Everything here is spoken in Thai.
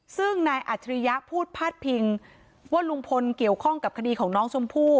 ซึ่งนายอัจฉริยะพูดพาดพิงว่าลุงพลเกี่ยวข้องกับคดีของน้องชมพู่